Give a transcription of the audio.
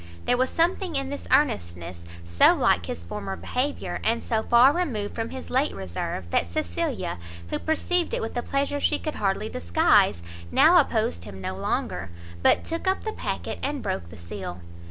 There was something in this earnestness so like his former behaviour, and so far removed from his late reserve, that Cecilia, who perceived it with a pleasure she could hardly disguise, now opposed him no longer, but took up the packet, and broke the seal.